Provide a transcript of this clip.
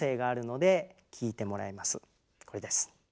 これです。